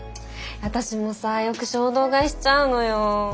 私もさよく衝動買いしちゃうのよ。